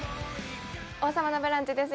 「王様のブランチ」です